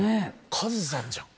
カズさんじゃん。